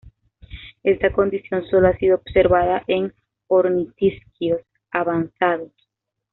Esta condición sólo ha sido observada en ornitisquios avanzados.